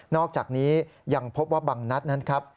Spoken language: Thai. อกจากนี้ยังพบว่าบางนัดนั้นครับ